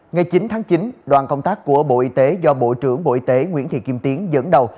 ngày chín tháng chín đoàn công tác của bộ y tế do bộ trưởng bộ y tế nguyễn thị kim tiến dẫn đầu